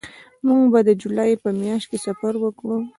موږ به د جولای په میاشت کې سفر وکړو